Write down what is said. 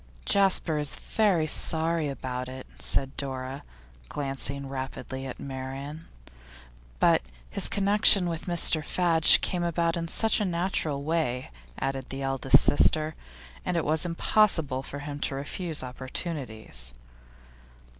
'Jasper is very sorry about it,' said Dora, glancing rapidly at Marian. 'But his connection with Mr Fadge came about in such a natural way,' added the eldest sister. 'And it was impossible for him to refuse opportunities.